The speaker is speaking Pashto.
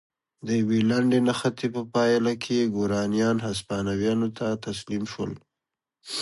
د یوې لنډې نښتې په پایله کې ګورانیان هسپانویانو ته تسلیم شول.